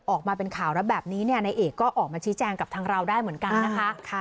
ออกมาเป็นข่าวแล้วแบบนี้เนี่ยนายเอกก็ออกมาชี้แจงกับทางเราได้เหมือนกันนะคะ